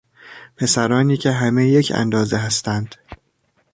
پسرانی که همه یک اندازه هستند